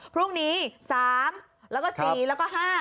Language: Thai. พรุ่งนี้๓แล้วก็๔แล้วก็๕